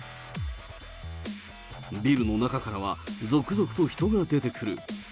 ビルの中からは続々と人が出てくる。